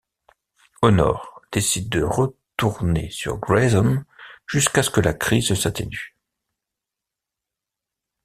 Honor décide de retourner sur Grayson jusqu'à ce que la crise s'atténue.